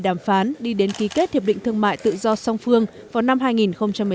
đàm phán đi đến ký kết hiệp định thương mại tự do song phương vào năm hai nghìn một mươi tám